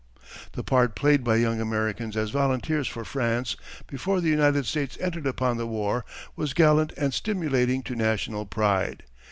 The part played by young Americans as volunteers for France before the United States entered upon the war was gallant and stimulating to national pride.